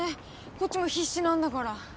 こっちも必死なんだから。